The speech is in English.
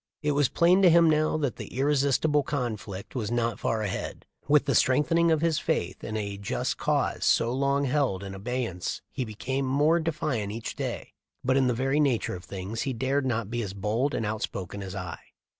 It was plain to him now that the ''irrepressible conflict" was not far ahead. With the strengthening of his faith in a just cause so long held in abeyance he became more defiant each day. But in the very nature of things he dared not be as bold and outspoken as I.